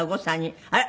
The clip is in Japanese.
あら！